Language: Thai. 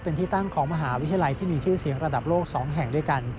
เป็นที่ตั้งของมหาวิทยาลัยที่มีชื่อเสียงระดับโลก๒แห่งด้วยกัน